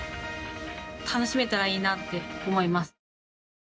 楽しめたらいいなって思います。